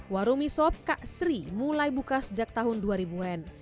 warung mie sop kak sri mulai buka sejak tahun dua ribu an